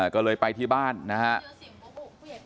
ก็เลยไปที่บ้านนะครับ